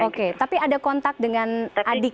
oke tapi ada kontak dengan adik